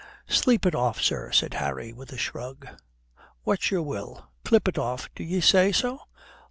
"Sleep it off, sir," says Harry, with a shrug. "What's your will? Clip it off, do ye say so?